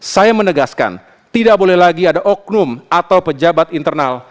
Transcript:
saya menegaskan tidak boleh lagi ada oknum atau pejabat internal